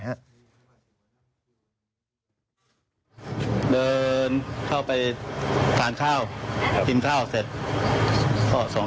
หรือทะเบียนรถพร้อมชุดโอน